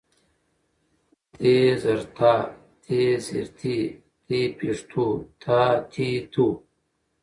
ت زر تا، ت زېر تي، ت پېښ تو، تا تي تو